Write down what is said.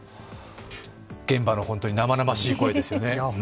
現場の生々しい声ですよね。